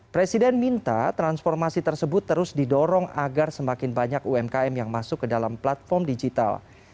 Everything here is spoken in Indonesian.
presiden minta transformasi tersebut terus didorong agar semakin banyak umkm yang masuk ke dalam platform digital